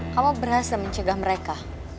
kamu berhasil mencegah mereka